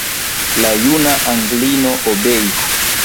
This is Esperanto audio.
La juna Anglino obeis.